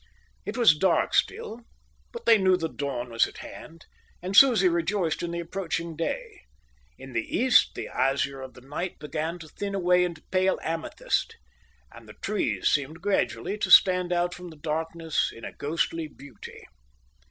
It was dark still, but they knew the dawn was at hand, and Susie rejoiced in the approaching day. In the east the azure of the night began to thin away into pale amethyst, and the trees seemed gradually to stand out from the darkness in a ghostly beauty.